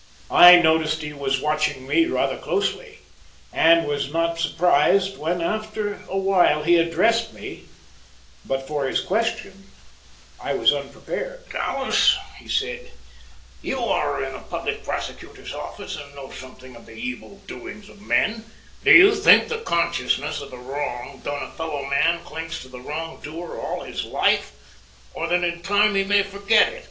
I noticed he was watching me rather closely, and was not surprised when after a while he addressed me, but for his question I was unprepared. "Dallas," he said, "you are in a public prosecutor's office and know something of the evil doings of men; do you think the consciousness of a wrong done a fellow man clings to the wrong doer all his life, or that in time he may forget it?"